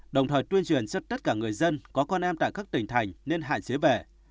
đồng thời tuyên truyền cho tất cả người dân có con em tại các tỉnh thành nên hạn chế về